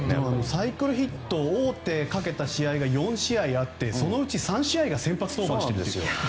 サイクルヒット王手かけた試合が４試合あってそのうち３試合が先発登板してるんですよ。